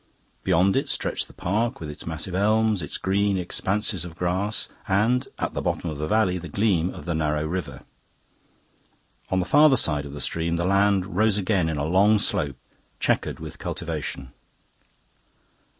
Beyond it stretched the park, with its massive elms, its green expanses of grass, and, at the bottom of the valley, the gleam of the narrow river. On the farther side of the stream the land rose again in a long slope, chequered with cultivation.